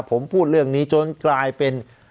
ผมพูดเรื่องนี้จนกลายเป็น